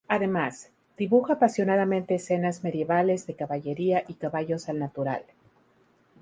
Además, dibuja apasionadamente escenas medievales de caballería y caballos al natural.